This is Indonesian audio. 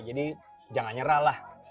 jadi jangan nyerah lah